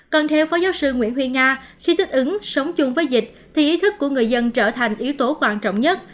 còn theo phó giáo sư nguyễn huy nga khi thích ứng sống chung với dịch thì ý thức của người dân trở thành yếu tố quan trọng nhất